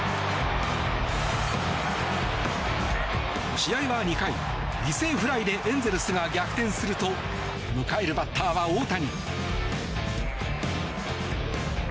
試合は２回、犠牲フライでエンゼルスが逆転すると迎えるバッターは大谷。